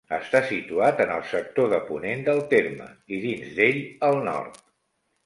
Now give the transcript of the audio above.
Està situat en el sector de ponent del terme, i dins d'ell, al nord.